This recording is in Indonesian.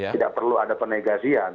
tidak perlu ada penegasian